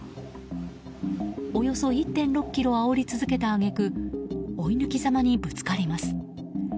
およそ１．６ｋｍあおり続けた揚げ句追い抜きざまにぶつかります。